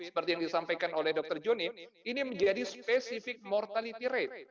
seperti yang disampaikan oleh dr joni ini menjadi spesifik mortality rate